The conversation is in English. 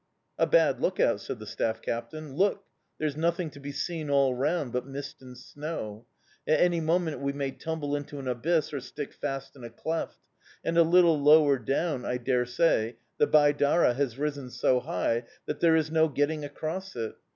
"A bad look out," said the staff captain. "Look! There's nothing to be seen all round but mist and snow. At any moment we may tumble into an abyss or stick fast in a cleft; and a little lower down, I dare say, the Baidara has risen so high that there is no getting across it.